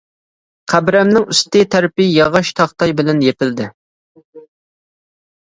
قەبرەمنىڭ ئۈستى تەرىپى ياغاچ تاختاي بىلەن يېپىلدى.